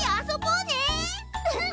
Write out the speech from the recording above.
うん！